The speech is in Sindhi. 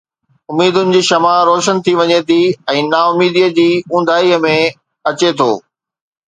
اميدن جي شمع روشن ٿي وڃي ٿي ۽ نا اميديءَ جي اونداهيءَ ۾ اچي ٿو.